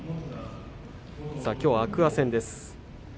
きょうは天空海戦です。